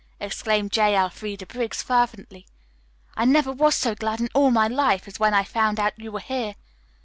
exclaimed J. Elfreda Briggs fervently. "I never was so glad in all my life as when I found out you were here.